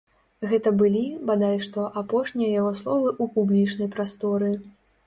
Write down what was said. Гэта былі, бадай што, апошнія яго словы ў публічнай прасторы.